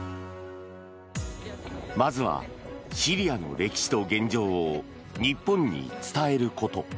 まずはシリアの歴史と現状を日本に伝えること。